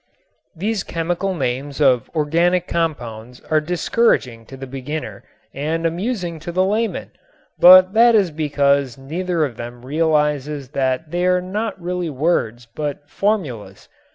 These chemical names of organic compounds are discouraging to the beginner and amusing to the layman, but that is because neither of them realizes that they are not really words but formulas.